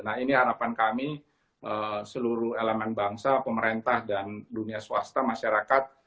nah ini harapan kami seluruh elemen bangsa pemerintah dan dunia swasta masyarakat